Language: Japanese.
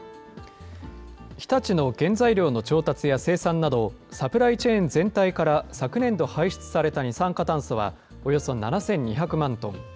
日立の原材料の調達や生産など、サプライチェーン全体から昨年度排出された二酸化炭素は、およそ７２００万トン。